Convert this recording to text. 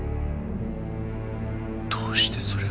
どうしてそれを？